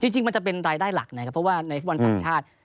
จริงมันจะเป็นรายได้หลักนะครับเพราะว่าในฟุตบอลต่างชาติ